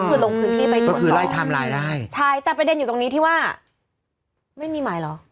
ก็คือลงพื้นที่ไปตรวจส่องใช่แต่ประเด็นอยู่ตรงนี้ที่ว่าไม่มีหมายหรอ